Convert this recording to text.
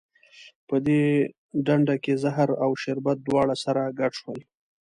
په دې ډنډه کې زهر او شربت دواړه سره ګډ شول.